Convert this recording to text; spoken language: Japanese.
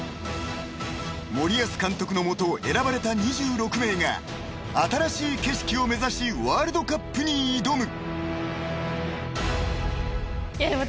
［森保監督の下選ばれた２６名が新しい景色を目指しワールドカップに挑む］